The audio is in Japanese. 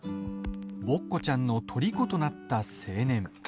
ボッコちゃんのとりことなった青年。